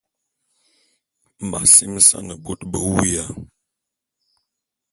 M’asimesan bot be wuya.